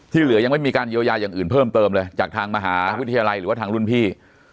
เหลือยังไม่มีการเยียวยาอย่างอื่นเพิ่มเติมเลยจากทางมหาวิทยาลัยหรือว่าทางรุ่นพี่